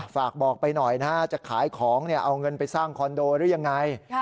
ฝากบอกไปหน่อยนะฮะจะขายของเอาเงินไปสร้างคอนโดหรือยังไง